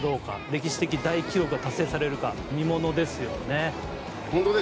歴史的大記録が達成されるか見ものですよね。